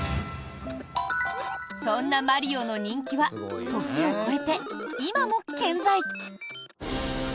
そんなマリオの人気は時を超えて、今も健在！